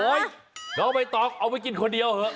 โอ้ยเล่าไปตอกเอาไปกินคนเดียวเหอะ